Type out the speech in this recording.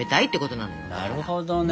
なるほどね。